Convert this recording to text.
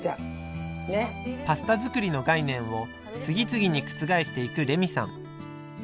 パスタ作りの概念を次々に覆していくレミさん。